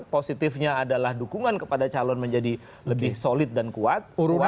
positifnya adalah dukungan kepada calon menjadi lebih solid dan kuat